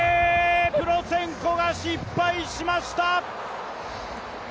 プロツェンコが失敗しました。